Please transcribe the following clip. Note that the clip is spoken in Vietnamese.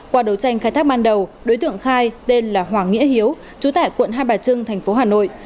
qua đấu tranh khai thác ban đầu đối tượng khai tên là hoàng nghĩa hiếu chú tại quận hai bà trưng thành phố hà nội